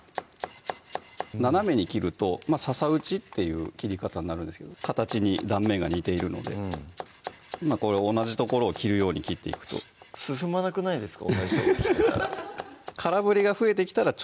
斜めに切るとささ打ちっていう切り方になるんですけど形に断面が似ているので同じ所を切るように切っていくと進まなくないですか？